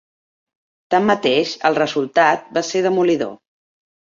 Tanmateix, el resultat va ser demolidor.